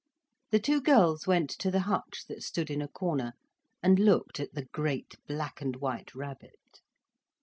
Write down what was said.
The two girls went to the hutch that stood in a corner, and looked at the great black and white rabbit.